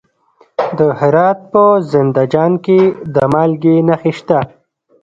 د هرات په زنده جان کې د مالګې نښې شته.